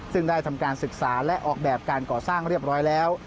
ซึ่งได้ทำการศึกษาและออกแบบการก่อสร้างเรียบร้อยแล้ว